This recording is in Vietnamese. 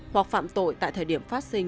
hoặc phạm tội tại thời điểm phát sinh